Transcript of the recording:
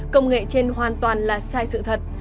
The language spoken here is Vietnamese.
công nghệ trên hoàn toàn là sai sự thật